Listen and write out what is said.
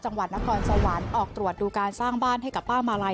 จังหวัดนครสวรรค์ออกตรวจดูการสร้างบ้านให้กับป้ามาลัย